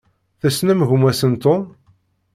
Tessnem gma-s n Tom?